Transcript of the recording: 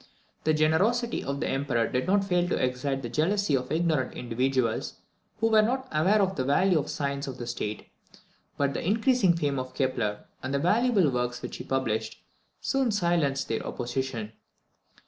The generosity of the Emperor did not fail to excite the jealousy of ignorant individuals, who were not aware of the value of science to the state; but the increasing fame of Kepler, and the valuable works which he published, soon silenced their opposition.